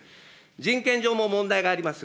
人権上も問題があります。